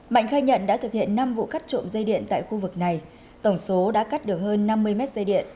mạnh khai nhận đã thực hiện năm vụ cắt trộm dây điện tại khu vực này tổng số đã cắt được hơn năm mươi mét dây điện